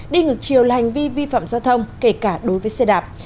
đi ngược chiều là hành vi vi phạm giao thông kể cả đối với xe đạp